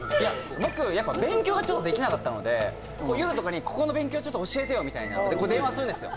僕やっぱ勉強がちょっとできなかったので夜とかにここの勉強ちょっと教えてよみたいな電話するんですよ